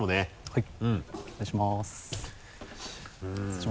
はい。